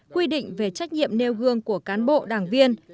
quy định về trách nhiệm nêu gương của cán bộ đảng viên